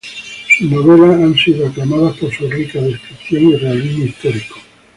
Sus novelas han sido aclamadas por su rica descripción y realismo histórico.